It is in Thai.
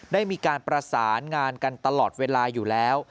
ได้มีการประสานงานกันตลอดเวลาอยู่แล้ว